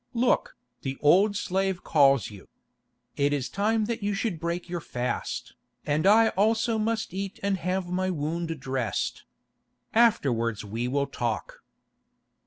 Look, the old slave calls you. It is time that you should break your fast, and I also must eat and have my wound dressed. Afterwards we will talk."